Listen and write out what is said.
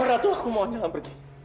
ratu aku mohon jangan pergi